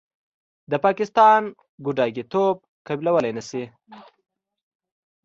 د پاکستان ګوډاګیتوب قبلولې نشي.